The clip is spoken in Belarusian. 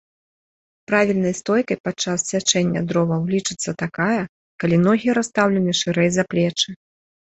Правільнай стойкай падчас сячэння дроваў лічыцца такая, калі ногі расстаўленыя шырэй за плечы.